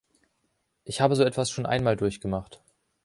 Ich habe so etwas schon einmal durchgemacht.